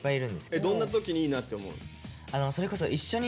どんな時にいいなって思うの？